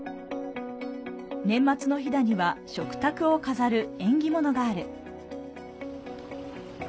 年末の飛騨には、食卓を飾る縁起物がある。